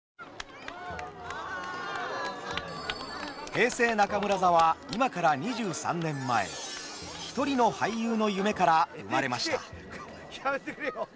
平成中村座は今から２３年前１人の俳優の夢から生まれました。